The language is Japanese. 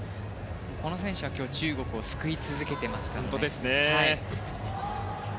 この選手は、今日中国を救い続けてます。